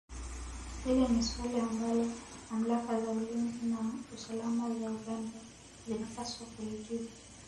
Hili ni swali ambalo mamlaka za ulinzi na usalama za Uganda zinapaswa kulijibu